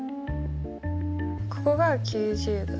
ここが９０°で。